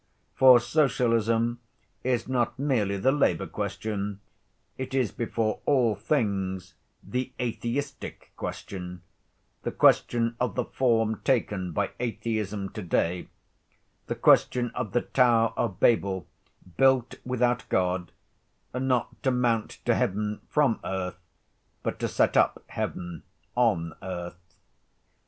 For socialism is not merely the labor question, it is before all things the atheistic question, the question of the form taken by atheism to‐day, the question of the tower of Babel built without God, not to mount to heaven from earth but to set up heaven on earth.